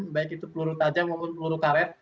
baik itu peluru tajam maupun peluru karet